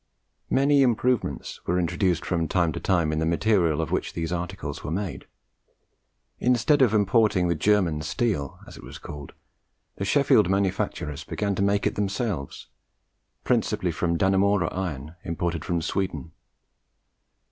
Many improvements were introduced from time to time in the material of which these articles were made. Instead of importing the German steel, as it was called, the Sheffield manufacturers began to make it themselves, principally from Dannemora iron imported from Sweden.